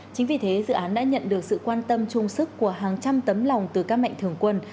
chính vì thế dự án đã nhận được sự quan tâm chung sức của hàng trăm tấm lòng từ các mạnh thường quân